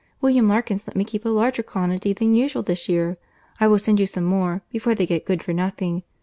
William Larkins let me keep a larger quantity than usual this year. I will send you some more, before they get good for nothing.